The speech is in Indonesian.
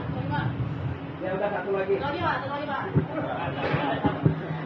ya boleh ya pak